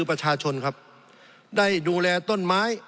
สงบจนจะตายหมดแล้วครับ